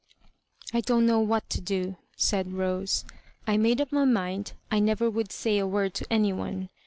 "I don't know what to do," said Rose; "I made up my mind I never would say a word to any one.